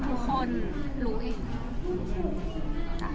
เหมือนรู้สึกได้บ้าง